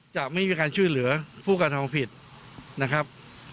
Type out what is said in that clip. จะไม่มีการช่วยเหลือผู้กระทำผิดนะครับ